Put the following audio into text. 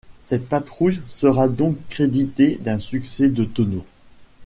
Cette patrouille sera donc créditée d'un succès de tonneaux.